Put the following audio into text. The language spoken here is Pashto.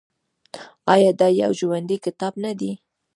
آیا دا یو ژوندی کتاب نه دی؟